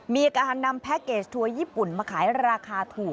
มีการนำแพ็คเกจทัวร์ญี่ปุ่นมาขายราคาถูก